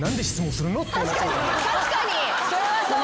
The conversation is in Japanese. それはそう。